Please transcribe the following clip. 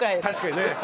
確かにね。